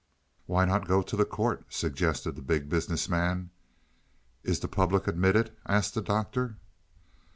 "Why not go to the court?" suggested the Big Business Man. "Is the public admitted?" asked the Doctor.